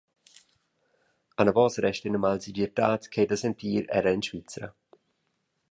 Anavos resta ina malsegirtad ch’ei da sentir era en Svizra.